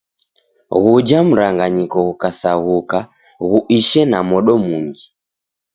Ghuja mranganyiko ghukasaghuka, ghuishe na modo mungi.